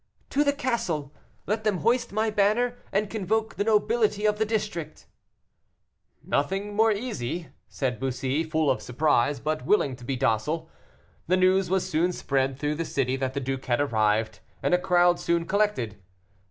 "To the castle. Let them hoist my banner and convoke the nobility of the district." "Nothing more easy," said Bussy, full of surprise, but willing to be docile. The news was soon spread through the city that the duke had arrived, and a crowd soon collected.